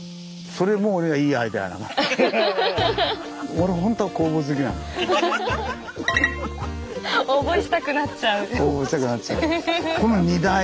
俺応募したくなっちゃう。